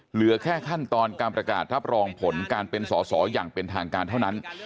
เหลือแค่ขั้นตอนการประกาศรับรองผลการเป็นสอสออย่างเป็นทางการเท่านั้น